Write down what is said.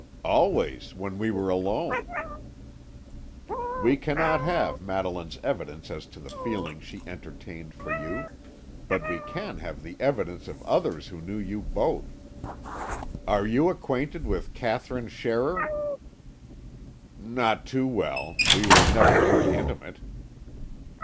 "Always when we were alone." "We cannot have Madeline's evidence as to the feelings she entertained for you; but we can have the evidence of others who knew you both. Are you acquainted with Katherine Scherrer?" "Not too well; we were never very intimate."